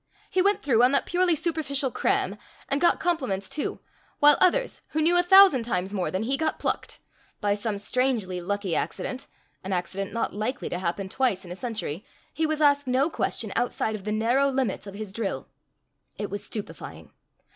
He went through on that purely superficial "cram," and got compliments too, while others, who knew a thousand times more than he, got plucked. By some strangely lucky accident&#8212an accident not likely to happen twice in a century&#8212he was asked no question outside of the narrow limits of his drill. It was stupefying.